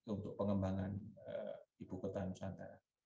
untuk pengembangan ibu kota nusantara